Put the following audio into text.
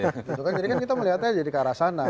jadi kan kita melihatnya jadi ke arah sana